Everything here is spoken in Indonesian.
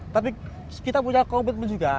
tapi kita punya komitmen juga